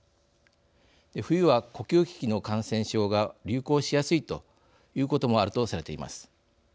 冬は呼吸器の感染症が流行しやすいということもあるとされています。